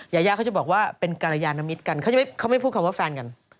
ยายาเขาจะบอกว่าเป็นกรยานมิตรกันเขาไม่พูดคำว่าแฟนกัน